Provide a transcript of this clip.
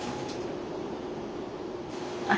あっ。